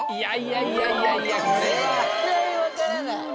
いやいやいや絶対分からない